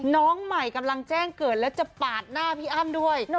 น้องใหม่กำลังแจ้งเกิดแล้วจะปาดหน้าพี่อ้ำด้วย